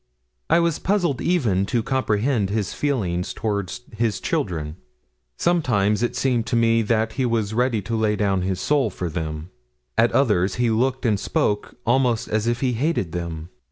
I was puzzled even to comprehend his feelings toward his children. Sometimes it seemed to me that he was ready to lay down his soul for them; at others, he looked and spoke almost as if he hated them.